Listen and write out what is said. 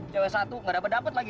cewek satu gak dapet dapet lagi